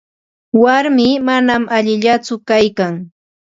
Warmii manam allillakutsu kaykan.